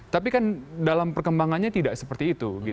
tapi kan dalam perkembangannya tidak seperti itu